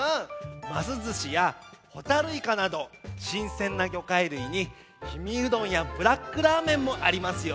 「ますずし」や「ホタルイカ」などしんせんなぎょかいるいに「氷見うどん」や「ブラックラーメン」もありますよ。